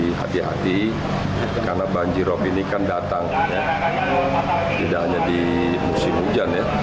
hati hati karena banjirop ini kan datang tidak hanya di musim hujan ya